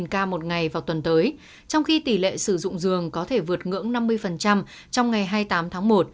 hai mươi bốn ca một ngày vào tuần tới trong khi tỷ lệ sử dụng dương có thể vượt ngưỡng năm mươi trong ngày hai mươi tám tháng một